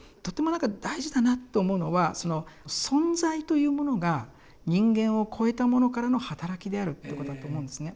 とてもなんか大事だなと思うのは存在というものが人間をこえたものからの働きであるということだと思うんですね。